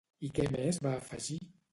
I què més va afegir?